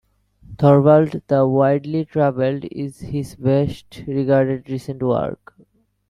Thorvald the Widely-Travelled is his best regarded recent work.